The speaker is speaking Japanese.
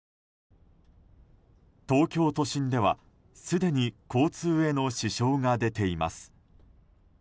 東京都心ではすでに交通への支障が出ています。